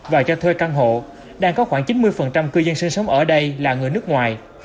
và cho thuê căn hộ đang có khoảng chín mươi cư dân sinh sống ở đây là người nước ngoài